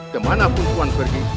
kemana pun tuhan pergi